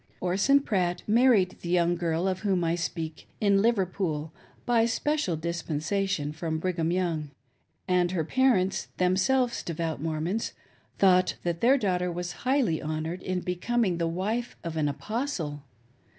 Orson Pratt married the young girl of whom I speak, in Liverpool, by special dispensation from Brigham Young, and her parents — themselves devout Mormons — thought that their daughter was highly honored in becoming the wife of an Apostle.